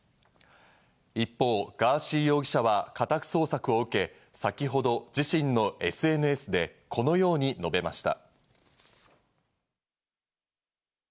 一方、ガーシー容疑者は家宅捜索を受け、先ほど自身のＳＮＳで、このように述べました。